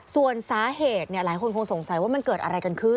ส่วนสาเหตุหลายคนคงสงสัยว่ามันเกิดอะไรกันขึ้น